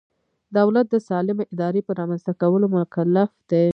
دولت د سالمې ادارې په رامنځته کولو مکلف دی.